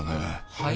はい？